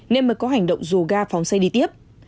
nên mới có hành động dù ga phóng xe đi tiếp